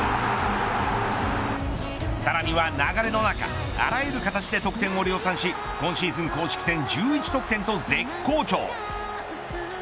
さらには、流れの中あらゆる形で得点を量産し今シーズン公式戦１１得点と絶好調。